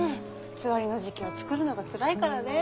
つわりの時期は作るのがつらいからね。